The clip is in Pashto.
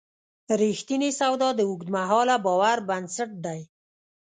رښتینې سودا د اوږدمهاله باور بنسټ دی.